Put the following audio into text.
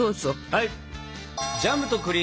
はい。